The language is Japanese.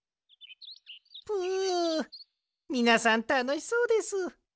ぷみなさんたのしそうです。